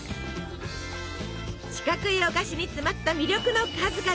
四角いお菓子に詰まった魅力の数々！